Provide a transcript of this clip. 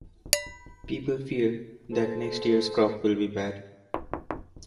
People fear that next year's crop will be bad.